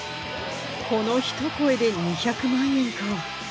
このひと声で２００万円か。